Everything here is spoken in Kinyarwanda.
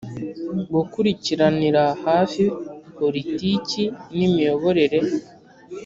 Gukurikiranira hafi politiki n imiyoborere